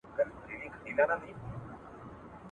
محتسب په سترګو ړوند وي په غضب یې ګرفتار کې !.